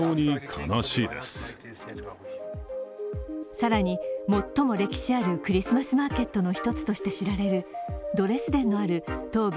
更に最も歴史あるクリスマスマーケットの一つとして知られるドレスデンのある東部